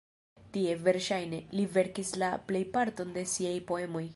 Tie, verŝajne, li verkis la plejparton de siaj poemoj.